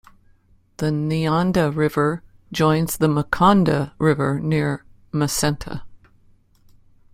The Nianda River joins the Makonda River near Macenta.